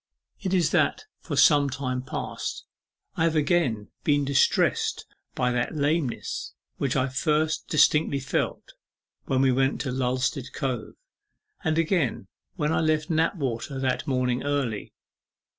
It is that for some time past I have again been distressed by that lameness which I first distinctly felt when we went to Lulstead Cove, and again when I left Knapwater that morning early.